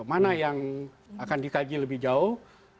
mana yang akan dikaji lebih jauh